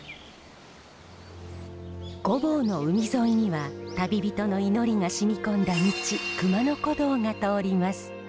御坊の海沿いには旅人の祈りがしみこんだ道熊野古道が通ります。